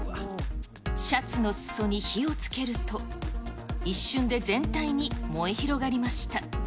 シャツの裾に火をつけると、一瞬で全体に燃え広がりました。